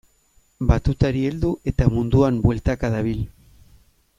Batutari heldu eta munduan bueltaka dabil.